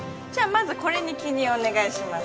まずこれに記入お願いします